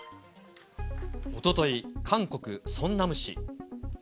おととい、韓国・ソンナム市。